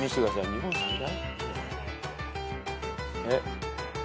「日本最大」？